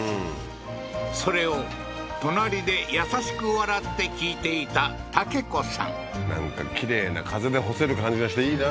それを隣で優しく笑って聞いていたたけ子さんなんかきれいな風で干せる感じがしていいな